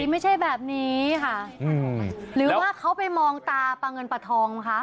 ไม่ใช่แบบนี้ค่ะหรือว่าเขาไปมองตาปลาเงินปลาทองคะ